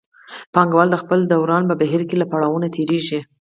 پانګوال د خپل دوران په بهیر کې له پړاوونو تېرېږي